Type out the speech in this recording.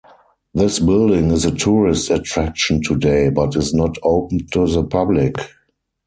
This building is a tourist attraction today, but is not open to the public.